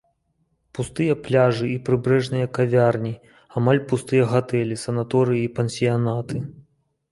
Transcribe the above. Пустыя пляжы і прыбярэжныя кавярні, амаль пустыя гатэлі, санаторыі і пансіянаты.